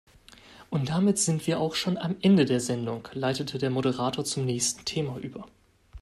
Und damit sind wir auch schon am Ende der Sendung, leitete der Moderator zum nächsten Thema über.